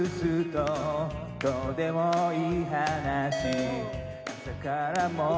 「どうでもいい話」